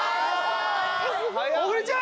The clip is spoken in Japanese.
小栗ちゃん！